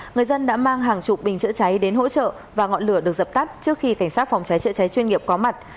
người dân đã mang hàng chục bình chữa cháy đến hỗ trợ và ngọn lửa được dập tắt trước khi cảnh sát phòng cháy chữa cháy chuyên nghiệp có mặt